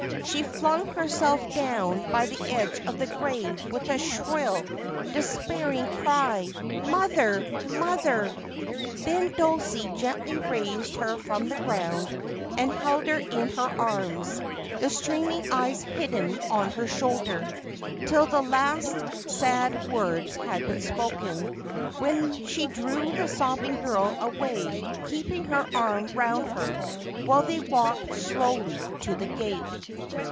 She flung herself down by the edge of the grave, with a shrill, despairing cry —' Mother ! mother !' Then Dulcie gently raised her from the ground and held her in her arms, the streaming eyes hidden on her shoulder, till the last sad words had been spoken, when she drew the sobbing girl away, keeping her arm round her while they walked slowly to the gate.